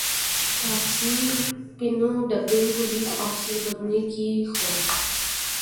تاپسی پنو دبنگ پولیس افسر بننے کی خواہاں